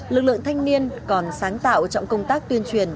lực lượng thanh niên còn sáng tạo trong công tác tuyên truyền